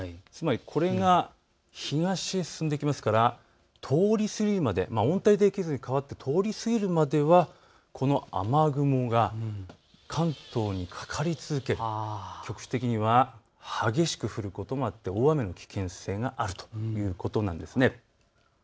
これが東へ進んできますから、通り過ぎるまで、温帯低気圧に変わって通り過ぎるまではこの雨雲が関東にかかり続け、局地的には激しく降ることもあって大雨の危険性があるということなんです。